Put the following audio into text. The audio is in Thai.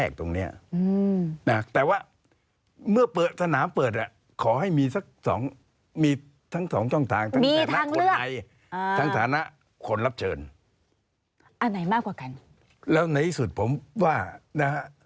ก็มีเหตุผลทุกครั้งนะอาจารย์